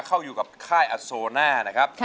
เข้าอยู่กับค่ายอโซน่านะครับ